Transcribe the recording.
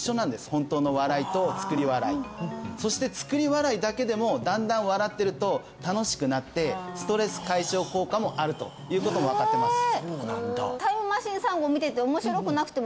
本当の笑いと作り笑いそして作り笑いだけでもだんだん笑ってると楽しくなってストレス解消効果もあるということも分かってますへえそうなんだ